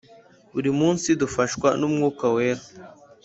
Buri munsi dufashwa n’umwuka wera